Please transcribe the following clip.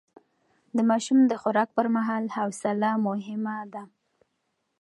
د ماشوم د خوراک پر مهال حوصله مهمه ده.